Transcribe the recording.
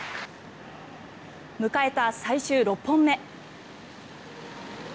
迎えた最終６本目。